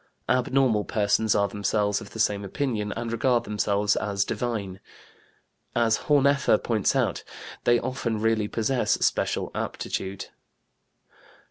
Abnormal persons are themselves of the same opinion and regard themselves as divine. As Horneffer points out, they often really possess special aptitude.